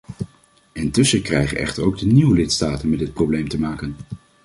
Intussen krijgen echter ook de nieuwe lidstaten met dit probleem te maken.